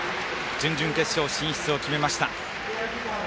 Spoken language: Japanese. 準々決勝進出を決めました。